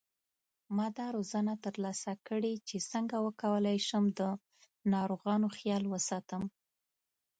ما دا روزنه تر لاسه کړې چې څنګه وکولای شم د ناروغانو خیال وساتم